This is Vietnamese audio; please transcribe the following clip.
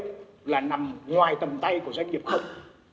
là nằm ngoài tầm tay của doanh nghiệp không